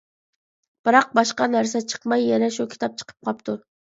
بىراق باشقا نەرسە چىقماي يەنە شۇ كىتاب چىقىپ قاپتۇ.